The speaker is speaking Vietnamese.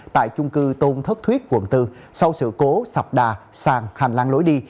tại chung cư tôn thất thuyết quận bốn sau sự cố sọc đà sàn hành lang lối đi